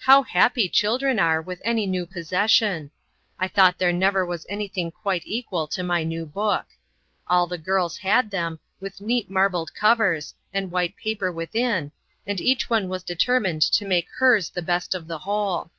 How happy children are with any new possession! I thought there never was any thing quite equal to my new book. All the girls had them, with neat marbled covers, and white paper within, and each one was determined to make hers the best of the whole.